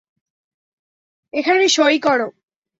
এখানে সঁই করো।